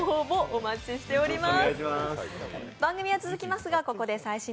お待ちしております。